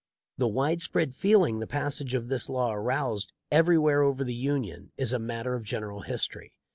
The widespread feeling the passage of this law aroused everywhere over the Union is a matter of general history.